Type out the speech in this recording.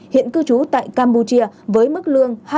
hiện cư trú tại campuchia với mức lương